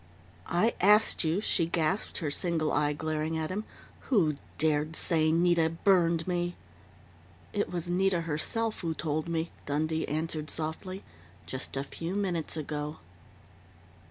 "I asked you " she gasped, her single eye glaring at him, "who dared say Nita burned me?" "It was Nita herself who told me," Dundee answered softly. "Just a few minutes ago."